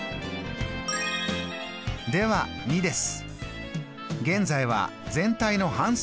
では２です。